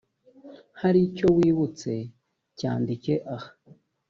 hari icyo wibutse cyandike aha